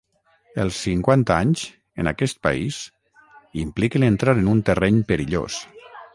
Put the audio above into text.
Els cinquanta anys, en aquest país, impliquen entrar en un terreny perillós.